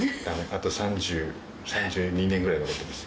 あと３０３２年ぐらい残ってます。